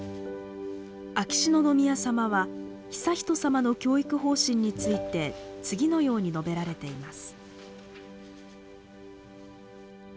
秋篠宮さまは悠仁さまの教育方針について次のように述べられています。